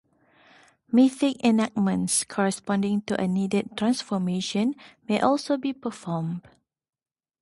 Mythic enactments corresponding to a needed transformation may also be performed.